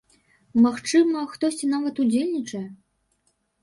Магчыма, хтосьці нават удзельнічае?